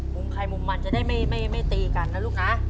มุมใครมุมมันจะได้ไม่ตีกันนะลูกนะ